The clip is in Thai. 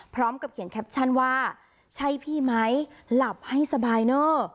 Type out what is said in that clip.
พร้อมกับเขียนแคปชั่นว่าใช่พี่ไหมหลับให้สบายเนอะ